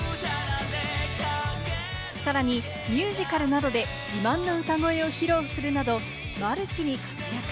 さらにミュージカルなどで自慢の歌声を披露するなど、マルチに活躍。